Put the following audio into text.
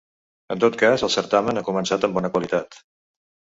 En tot cas el certamen ha començat amb bona qualitat.